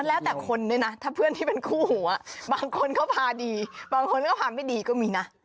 แล้วแต่คนด้วยนะถ้าเพื่อนที่เป็นคู่หัวบางคนเขาพาดีบางคนก็พาไม่ดีก็มีนะ